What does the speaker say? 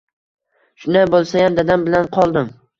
Shunday boʻlsayam, dadam bilan qoldim